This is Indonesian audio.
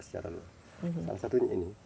salah satunya ini